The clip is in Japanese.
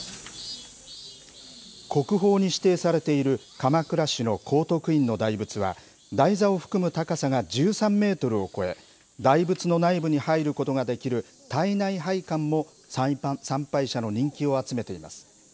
国宝に指定されている鎌倉市の高徳院の大仏は、台座を含む高さが１３メートルを超え、大仏の内部に入ることができる、胎内拝観も参拝者の人気を集めています。